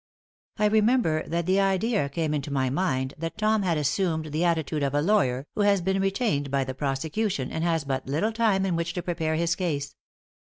I remember that the idea came into my mind that Tom had assumed the attitude of a lawyer who has been retained by the prosecution and has but little time in which to prepare his case.